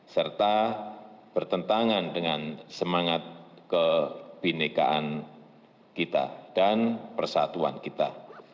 serta bertentangan dengan semangat kebinekaan kita dan persatuan kita